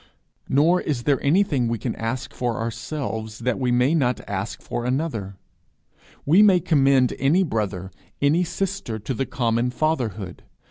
Nor is there anything we can ask for ourselves that we may not ask for another. We may commend any brother, any sister, to the common fatherhood.